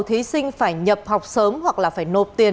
thí sinh phải nhập học sớm hoặc là phải nộp tiền